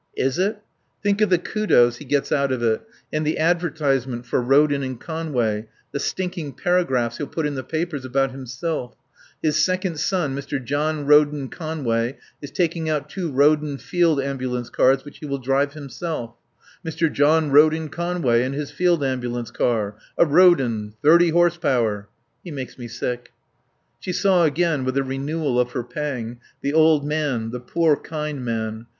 "Is it? Think of the kudos he gets out of it, and the advertisement for Roden and Conway, the stinking paragraphs he'll put in the papers about himself: 'His second son, Mr. John Roden Conway, is taking out two Roden field ambulance cars which he will drive himself 'Mr. John Roden Conway and his field ambulance car. A Roden, 30 horse power.' He makes me sick." She saw again, with a renewal of her pang, the old man, the poor, kind man.